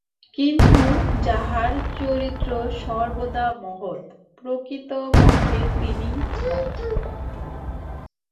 কিন্তু যাঁহার চরিত্র সর্বদা মহৎ, প্রকৃতপক্ষে তিনিই মহৎ।